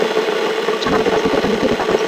শামা, আমাদের কাছ থেকে এটা লুকিয়ে তুই পাপ করেছিস।